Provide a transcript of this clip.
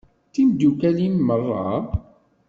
D timdukal-im merra?